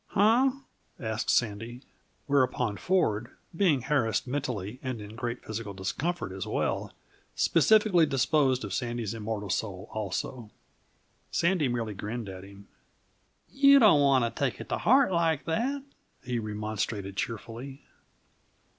"Hunh?" asked Sandy. Whereupon Ford, being harassed mentally and in great physical discomfort as well, specifically disposed of Sandy's immortal soul also. Sandy merely grinned at him. "You don't want to take it to heart like that," he remonstrated cheerfully.